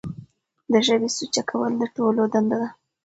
د ژبې سوچه کول د ټولو دنده ده.